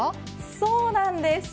そうなんです。